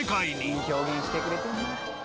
いい表現してくれてるな。